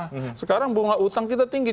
nah sekarang bunga utang kita tinggi